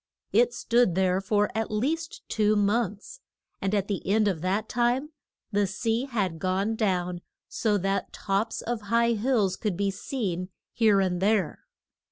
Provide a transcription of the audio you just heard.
It stood there for at least two months, and at the end of that time the sea had gone down so that tops of high hills could be seen here and there.